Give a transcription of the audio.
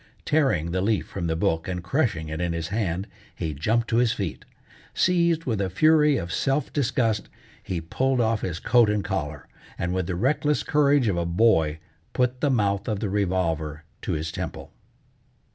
Tearing the leaf from the book, and crushing it in his hand, he jumped to his feet. Seized with a fury of self disgust, he pulled off his coat and collar, and with the reckless courage of a boy put the mouth of the revolver to his temple.